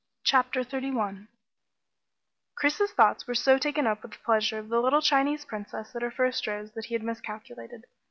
CHAPTER 31 Chris's thoughts were so taken up with the pleasure of the little Chinese Princess at her first rose that he had miscalculated.